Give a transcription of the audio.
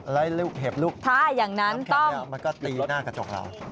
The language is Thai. อะไรลูกเห็บลูกถ้าอย่างนั้นต้องมันก็ตีหน้ากระจกเรา